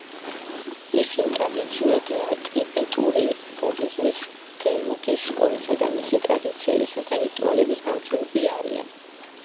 ისინი ტრადიციულად ტიბეტური ბუდიზმის გელუგის სკოლის და მისი ტრადიციებისა და რიტუალების დამცველები არიან.